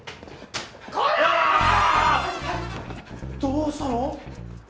どうしたの？